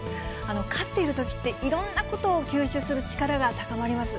勝っているときって、いろんなことを吸収する力が高まります。